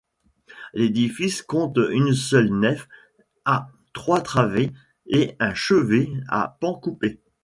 L'édifice compte une seule nef à trois travées et un chevet à pans coupés.